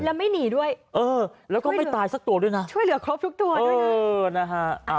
แล้วไม่หนีด้วยเออแล้วก็ไม่ตายสักตัวด้วยนะช่วยเหลือครบทุกตัวด้วยนะเออนะฮะ